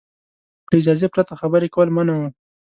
له اجازې پرته خبرې کول منع وو.